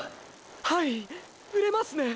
はい触れますね。